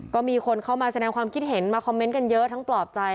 ก็มีคนเข้ามาแสดงความคิดเห็นมาคอมเมนต์กันเยอะทั้งปลอบใจ